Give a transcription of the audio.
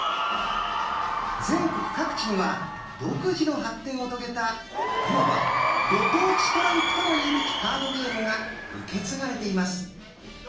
全国各地には独自の発展を遂げたいわば「ご当地トランプ」とも言うべきカードゲームが受け継がれています。